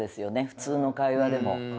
普通の会話でも。